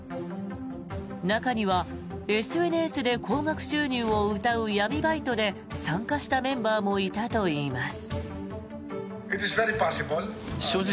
中にはＳＮＳで高額収入をうたう闇バイトで参加したメンバーもいたといいます。